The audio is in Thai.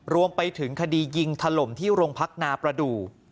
รวมไปถึงคดียิงถล่มที่โรงพักนาประดูก